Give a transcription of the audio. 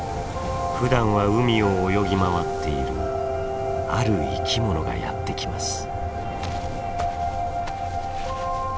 ふだんは海を泳ぎ回っているある生きものがやって来ます。